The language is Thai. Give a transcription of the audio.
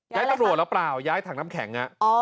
ย้ายตำรวจแล้วเปล่าย้ายถังน้ำแข็งนะ